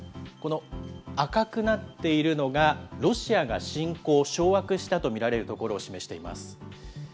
この赤くなっているのが、ロシアが侵攻・掌握したと見られる所を示しています。